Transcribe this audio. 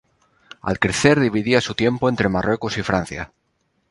Al crecer dividía su tiempo entre Marruecos y Francia.